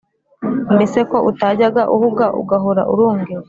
mbese ko utajya uhuga, ugahora urungeza